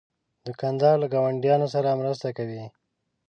دوکاندار له ګاونډیانو سره مرسته کوي.